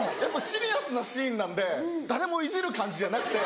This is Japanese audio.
シリアスなシーンなんで誰もいじる感じじゃなくて。